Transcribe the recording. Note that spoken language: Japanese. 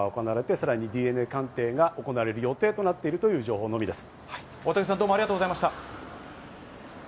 今日以降、まず司法解剖が行われて、さらにＤＮＡ鑑定が行うれる予定となっているという情報のみです。